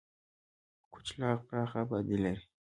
کچلاغ پراخه آبادي لري.